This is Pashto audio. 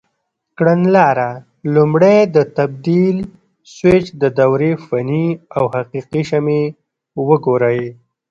کړنلاره: لومړی د تبدیل سویچ د دورې فني او حقیقي شمې وګورئ.